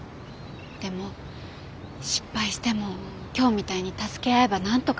でも失敗しても今日みたいに助け合えば何とかなるし。